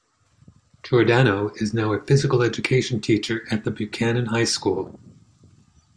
Giordano is now a physical education teacher at Buchanan High School.